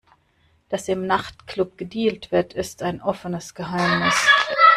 Dass im Nachtclub gedealt wird, ist ein offenes Geheimnis.